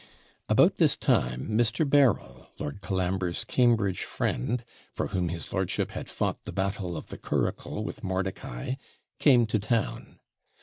About this time, Mr. Berryl, Lord Colambre's Cambridge friend, for whom his lordship had fought the battle of the curricle with Mordicai, came to town.